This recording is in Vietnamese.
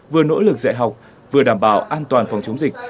vừa nỗ lực dạy học vừa đảm bảo an toàn phòng chống dịch